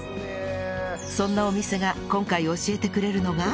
そんなお店が今回教えてくれるのが